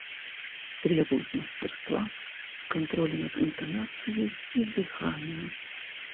Требует мастерства, контроля над интонацией и дыханием.